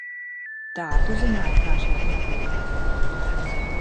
Tā tu zināji, kā šeit nokļūt?